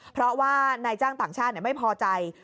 เพราะว่านายจ้างต่างชาติไม่พอใจ